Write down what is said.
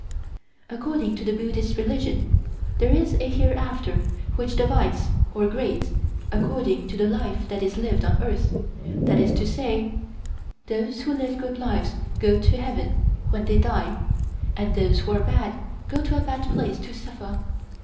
According to the Buddhist religion there is a hereafter which divides or grades, according to the life that is lived on earth, that is to say, those who live good lives go to Heaven when they die and those who are bad go to a bad place to suffer.